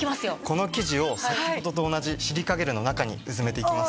この生地を先ほどと同じシリカゲルの中にうずめていきます。